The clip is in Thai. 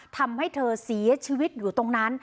ทำให้เธอเสียชีวิตอยู่ตรงนั้น